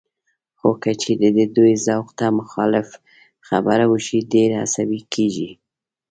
خو که چېرې د دوی ذوق ته مخالف خبره وشي، ډېر عصبي کېږي